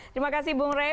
terima kasih bung rey